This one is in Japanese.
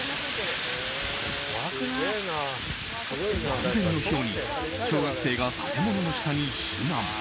突然のひょうに小学生が建物の下に避難。